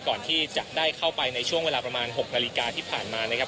ก่อนที่จะได้เข้าไปในช่วงเวลาประมาณ๖นาฬิกาที่ผ่านมานะครับ